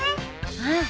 うん。